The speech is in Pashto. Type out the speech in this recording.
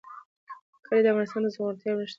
کلي د افغانستان د زرغونتیا یوه نښه ده.